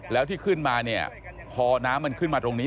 แล้วที่ขึ้นมาเนี่ยพอน้ำมันขึ้นมาตรงนี้